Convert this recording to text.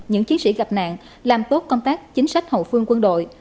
những chiến sĩ gặp nạn làm tốt công tác chính sách hậu phương quân đội